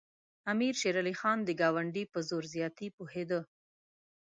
امیر شېر علي خان د ګاونډي په زور زیاتي پوهېده.